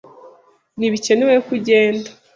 Ntibikenewe ko ugenda.